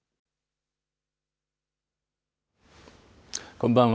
こんばんは。